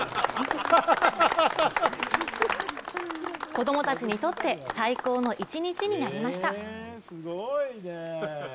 子供たちにとって最高の一日になりました。